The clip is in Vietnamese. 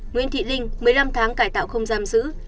nguyễn thị linh một mươi năm tháng cải tạo không giam giữ